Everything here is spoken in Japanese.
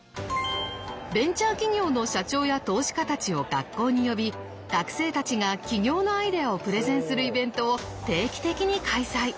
ベンチャー企業の社長や投資家たちを学校に呼び学生たちが起業のアイデアをプレゼンするイベントを定期的に開催。